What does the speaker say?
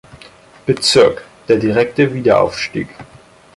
Bezirk" der direkte Wiederaufstieg.